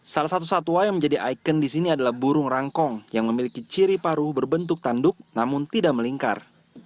salah satu satwa yang menjadi ikon di sini adalah burung rangkong yang memiliki ciri paru berbentuk tanduk namun tidak melingkar